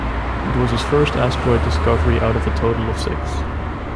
It was his first asteroid discovery out of a total of six.